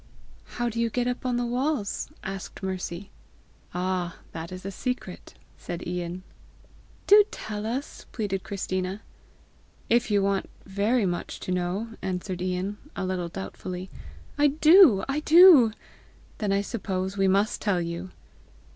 "How do you get up on the walls?" asked Mercy. "Ah, that is a secret!" said Ian. "Do tell us," pleaded Christina. "If you want very much to know, " answered Ian, a little doubtfully. "I do, I do!" "Then I suppose we must tell you!"